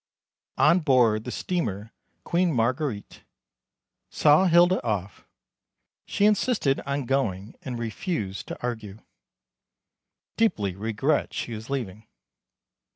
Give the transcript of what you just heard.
On board the steamer Queen Marguerite. Saw Hilda off. She insisted on going and refused to argue. Deeply regret she is leaving.